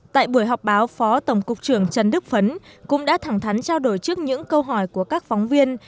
tại buổi họp báo phó tổng cục trưởng trần đức phấn cũng đã thẳng thắn trao đổi trước những câu hỏi của các phóng viên